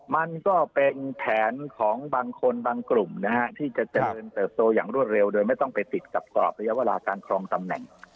มันก็เป็นแผนของบางคนบางกลุ่มนะฮะที่จะเจริญเติบโตอย่างรวดเร็วโดยไม่ต้องไปติดกับกรอบระยะเวลาการครองตำแหน่ง